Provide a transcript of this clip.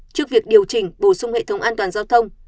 trước việc điều chỉnh bổ sung hệ thống an toàn giao thông